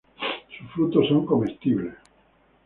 Sus frutos son comestibles.